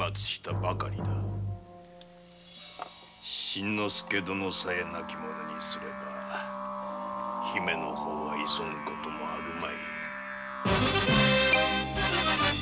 真之介殿さえ亡き者にすれば姫の方は急ぐ事もあるまい。